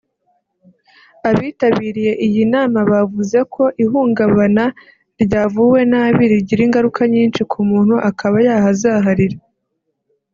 Abitabiriye iyi nama bavuze ko ihungabana ryavuwe nabi rigira ingaruka nyinshi ku muntu akaba yahazaharira